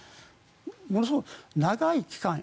ものすごい長い期間